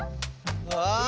ああ！